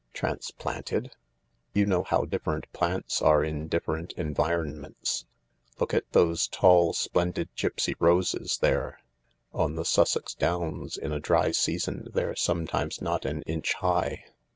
"Transplanted?" " You know how different plants are in different environ ments. Look at those tall, splendid, gipsy roses there— on the Sussex Downs in a dry season they're sometimes not an inch high.